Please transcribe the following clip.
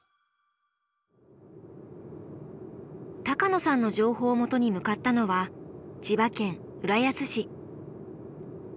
高野さんの情報をもとに向かったのは千葉県浦安市。